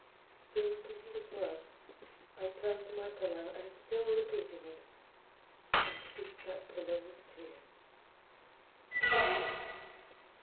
Still repeating this word, I turned to my pillow; and still repeating it, I steeped that pillow with tears.